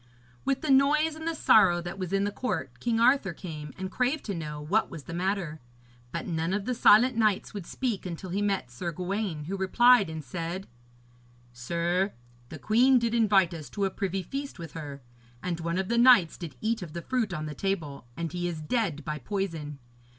With the noise and the sorrow that was in the court, King Arthur came and craved to know what was the matter; but none of the silent knights would speak until he met Sir Gawaine, who replied, and said: 'Sir, the queen did invite us to a privy feast with her. And one of the knights did eat of the fruit on the table, and he is dead by poison.